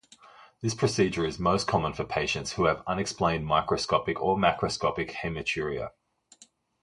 This procedure is most common for patients who have unexplained microscopic or macroscopic hematuria.